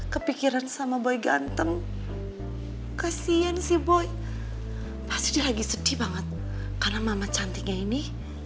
kepikiran sama boy ganteng kasian sih boy pasti lagi sedih banget karena mama cantiknya ini